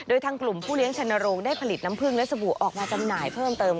โดยทางกลุ่มผู้เลี้ยงชนโรงได้ผลิตน้ำพึ่งและสบู่ออกมาจำหน่ายเพิ่มเติม